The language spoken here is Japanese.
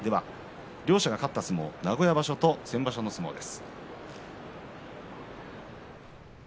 両者が勝った相撲名古屋場所と先場所の相撲です。